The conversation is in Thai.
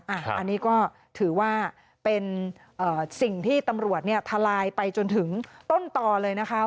อันนี้ก็ถือว่าเป็นสิ่งที่ตำรวจทลายไปจนถึงต้นต่อเลยนะคะ